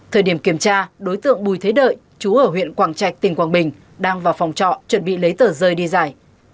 thời điểm kiểm tra đối tượng bùi thế đợi chú ở huyện quảng trạch tỉnh quảng bình đang vào phòng trọ chuẩn bị lấy tờ rơi đi giải